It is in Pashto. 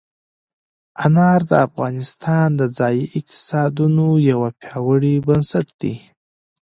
انار د افغانستان د ځایي اقتصادونو یو پیاوړی بنسټ دی.